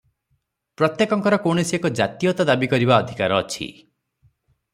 ପ୍ରତ୍ୟେକଙ୍କର କୌଣସି ଏକ ଜାତୀୟତା ଦାବୀ କରିବା ଅଧିକାର ଅଛି ।